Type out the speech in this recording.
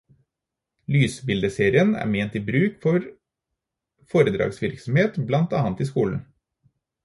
Lysbildeserien er ment til bruk for foredragsvirksomhet, blant annet i skolen.